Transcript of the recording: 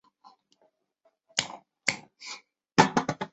今日的犬山城则是石川贞清再次改建的结果。